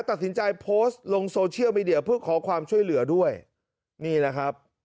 ตัดสินใจโพสต์ลงโซเชียลมีเดียเพื่อขอความช่วยเหลือด้วยนี่แหละครับ